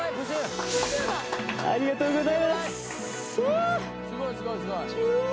ありがとうございますしゃーっ